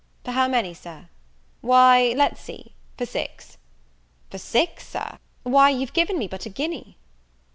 "For how many, Sir?" "Why let's see, for six." "For six, Sir? why, you're given me but a guinea."